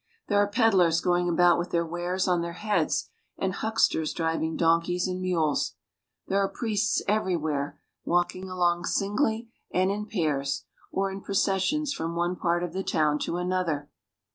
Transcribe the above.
There are peddlers going about with their wares on their heads, and hucksters driving donkeys and mules. There are priests everywhere, walking along singly and in pairs, or in processions from one part of the town to another.